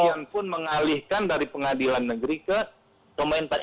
kepunisian pun mengalihkan dari pengadilan negeri ke komentari